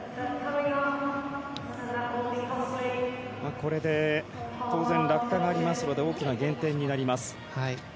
これで当然、落下がありますので大きな減点になります。